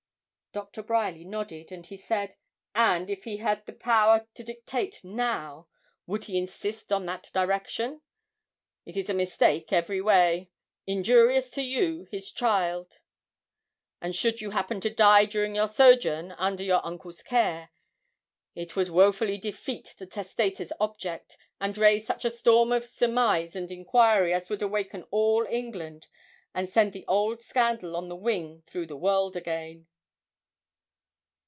Doctor Bryerly nodded, and he said 'And if he had the power to dictate now, would he insist on that direction? It is a mistake every way, injurious to you, his child; and should you happen to die during your sojourn under your uncle's care, it would woefully defeat the testator's object, and raise such a storm of surmise and inquiry as would awaken all England, and send the old scandal on the wing through the world again.'